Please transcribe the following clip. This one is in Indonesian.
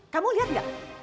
kamu lihat gak